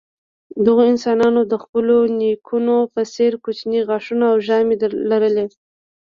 دغو انسانانو د خپلو نیکونو په څېر کوچني غاښونه او ژامې لرلې.